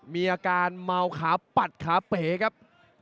มีอาการเมาขาปัดขาเป๋ครับ